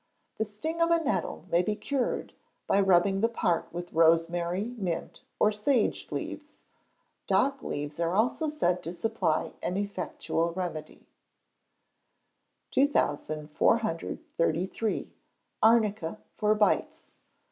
The sting of a nettle may be cured by rubbing the part with rosemary, mint, or sage leaves. Dock leaves are also said to supply an effectual remedy. 2433. Arnica for Bites.